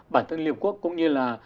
bản thân liên quốc cũng như là